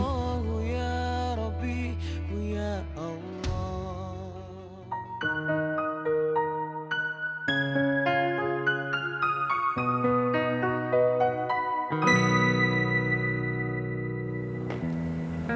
ya rabbi ya allah